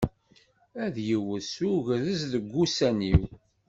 Ad yewwet s ugrez deg ussan-iw.